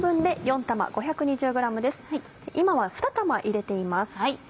今は２玉入れています。